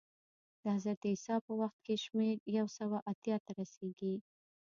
د حضرت عیسی په وخت کې شمېر یو سوه اتیا ته رسېږي